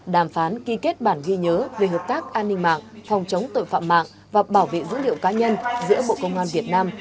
đàm phán ký kết bản ghi nhớ về hợp tác an ninh mạng phòng chống tội phạm mạng và bảo vệ dữ liệu cá nhân giữa bộ công an việt nam